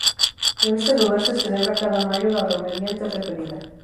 En este lugar se celebra cada mayo la romería antes referida.